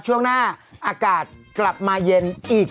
ช่วงหน้าอากาศกลับมาเย็นอีก๑รอบแล้วครับ